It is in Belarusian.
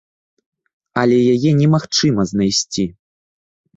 Але яе немагчыма знайсці.